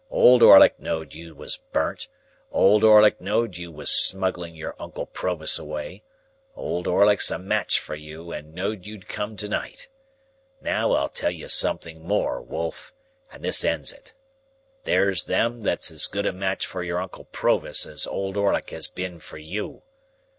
Old Orlick knowed you was burnt, Old Orlick knowed you was smuggling your uncle Provis away, Old Orlick's a match for you and know'd you'd come to night! Now I'll tell you something more, wolf, and this ends it. There's them that's as good a match for your uncle Provis as Old Orlick has been for you.